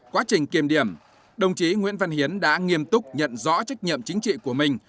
quá trình kiềm điểm đồng chí nguyễn văn hiến đã nghiêm túc nhận rõ trách nhiệm chính trị của mình